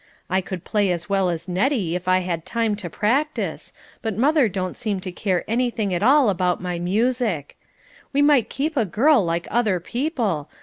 I could play as well as Nettie if I had time to practice, but mother don't seem to care anything at all about my music. We might keep a girl like other people.